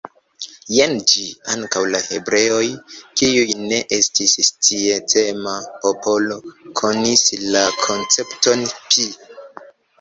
Jen ĝi: Ankaŭ la hebreoj, kiuj ne estis sciencema popolo, konis la koncepton pi.